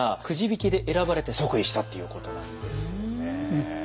くじ引きで選ばれて即位したっていうことなんですね。